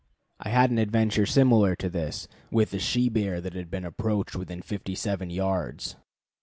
I had an adventure similar to this with, a she bear that had been approached within fifty seven yards.